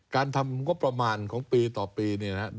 การทำงบประมาณของปีต่อปีเนี่ยนะครับ